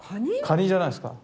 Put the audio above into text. カニじゃないですか。